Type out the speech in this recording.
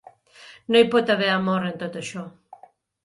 No hi pot haver amor en tot això.